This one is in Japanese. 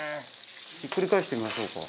ひっくり返してみましょうか。